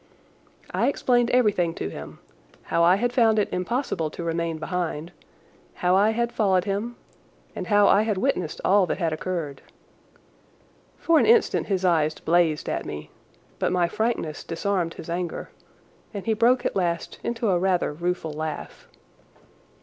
I explained everything to him: how I had found it impossible to remain behind, how I had followed him, and how I had witnessed all that had occurred. For an instant his eyes blazed at me, but my frankness disarmed his anger, and he broke at last into a rather rueful laugh.